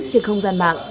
trên không gian mạng